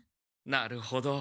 なるほど。